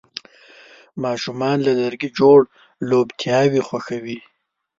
ماشومان له لرګي جوړ لوبتیاوې خوښوي.